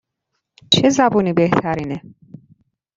چه زبونی بهترینه؟